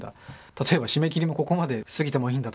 例えば締め切りもここまで過ぎてもいいんだとか